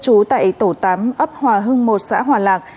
cư trú tại tổ tám ấp hòa hưng một xã hoàn lạc